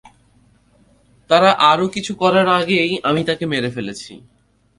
তারা আরও কিছু করার আগেই আমি তাকে মেরে ফেলেছি।